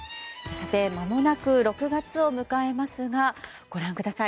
まもなく６月を迎えますがご覧ください。